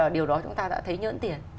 điều đó chúng ta đã thấy nhỡn tiền